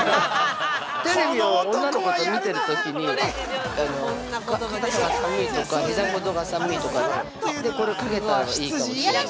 ◆テレビを女の子と見てるときに肩が寒いとか、ひざ小僧が寒いとかいうと、これ、かけたらいいかもしれない。